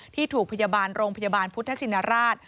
ที่ถูกพยาบาลโรงพยาบาลพุทธชินราช